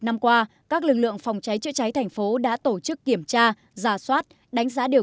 năm qua các lực lượng phòng cháy chữa cháy thành phố đã tổ chức kiểm tra giả soát đánh giá điều